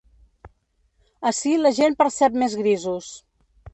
Ací la gent percep més grisos.